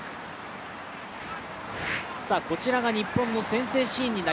こちらが日本の先制シーンです。